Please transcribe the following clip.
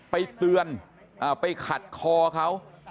ไปเตือนไปขัดคอเขา